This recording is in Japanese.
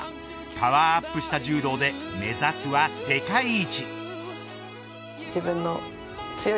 パワーアップした柔道で目指すは世界一。